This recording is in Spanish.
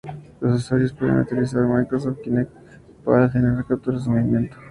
Los usuarios pueden utilizar Microsoft Kinect para generar capturas de movimiento.